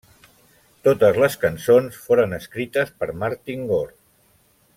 Totes les cançons foren escrites per Martin Gore.